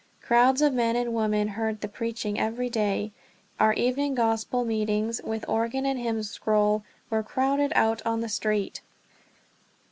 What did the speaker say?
Crowds of men and women heard the preaching every day. Our evening Gospel meetings, with organ and hymn scroll, were crowded out on to the street.